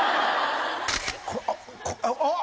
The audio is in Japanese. あっあっ！